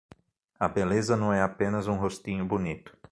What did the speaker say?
A beleza não é apenas um rostinho bonito.